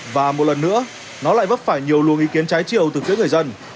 và một lần nữa nó lại vấp phải nhiều luồng ý kiến trái triều từ các người dân